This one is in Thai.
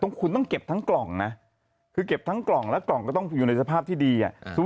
คุณต้องเก็บทั้งกล่องนะคือเก็บทั้งกล่องและกล่องก็ต้องอยู่ในสภาพที่ดี